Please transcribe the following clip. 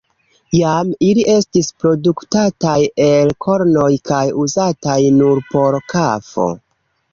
Iam ili estis produktataj el kornoj kaj uzataj nur por kafo.